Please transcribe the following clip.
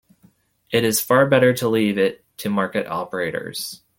It is far better to leave it to market operators.